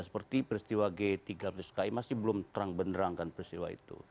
seperti peristiwa g tiga puluh ski masih belum terang benerangkan peristiwa itu